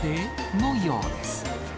のようです。